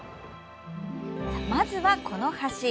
まずは、この橋。